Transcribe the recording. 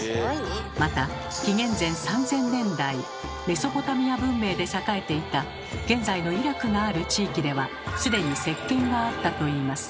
また紀元前３０００年代メソポタミア文明で栄えていた現在のイラクがある地域では既にせっけんがあったといいます。